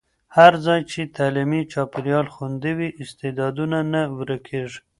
هر ځای چې تعلیمي چاپېریال خوندي وي، استعدادونه نه ورکېږي.